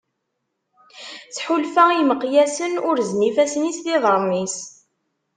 Tḥulfa i yimeqyasen urzen ifassen-is d yiḍarren-is.